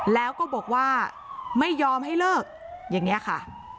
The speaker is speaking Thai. แล้วก็บอกว่าไม่ยอมให้เลิกอย่างนี้ค่ะ